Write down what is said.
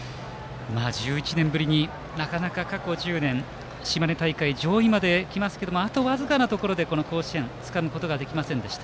１１年ぶりになかなか過去１０年島根大会上位まで行きますがあと僅かのところで甲子園をつかめませんでした。